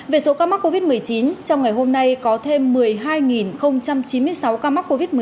về số ca mắc covid một mươi chín trong ngày hôm nay có thêm một mươi hai chín mươi sáu ca mắc covid một mươi chín